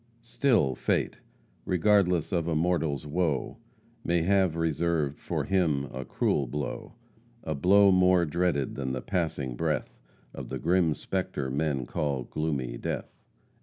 "Still Fate, regardless of a mortal's woe, May have reserved for him a cruel blow A blow more dreaded than the passing breath, Of the grim spectre men call gloomy death."